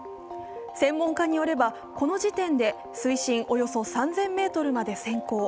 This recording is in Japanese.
専門家によれば、この時点で水深およそ３０００ｍまで潜行。